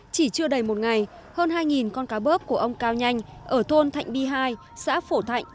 chỉ chưa đầy một ngày hơn hai con cá bớp của ông cao nhanh ở thôn thạnh bi hai xã phổ thạnh